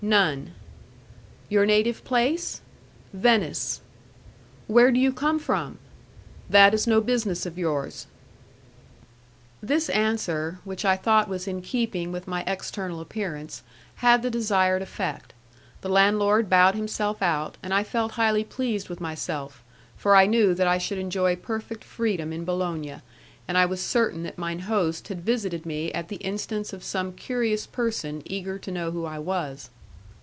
"None." "Your native place?" "Venice." "Where do you come from?" "That is no business of yours." This answer, which I thought was in keeping with my external appearance, had the desired effect: the landlord bowed himself out, and I felt highly pleased with myself, for I knew that I should enjoy perfect freedom in Bologna, and I was certain that mine host had visited me at the instance of some curious person eager to know who I was.